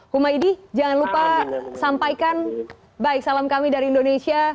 humaydi jangan lupa sampaikan baik salam kami dari indonesia